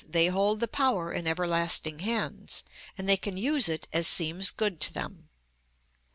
They hold the power In everlasting hands: And they can use it As seems good to them."